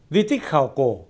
di tích khảo cổ